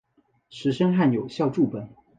石声汉有校注本。